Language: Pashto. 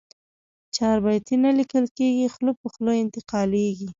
چاربیتې نه لیکل کېږي، خوله په خوله انتقالېږي.